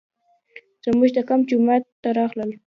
زموږ د کمپ جومات ته راغلل.